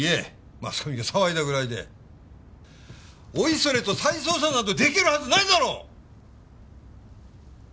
マスコミが騒いだぐらいでおいそれと再捜査など出来るはずないだろう！